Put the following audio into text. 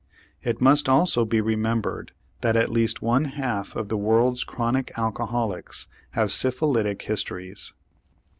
It must also be remembered that at least one half of the world's chronic alcoholics have syphilitic histories.